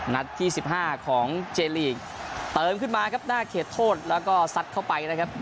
นัดที่๑๕ของเจลีกเติมขึ้นมาครับหน้าเขตโทษแล้วก็ซัดเข้าไปนะครับ